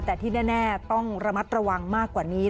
แต่ที่แน่ต้องระมัดระวังมากกว่านี้